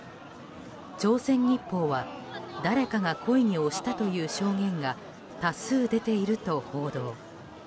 朝鮮日報は誰かが故意に押したという証言が多数出ていると報道。